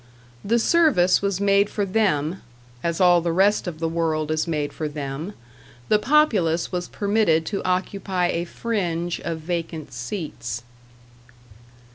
The service was made for them as all the rest of the world is made for them; the populace was permitted to occupy a fringe of vacant seats.